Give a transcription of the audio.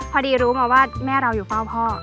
พอดีรู้มาว่าแม่เราอยู่เฝ้าพ่อ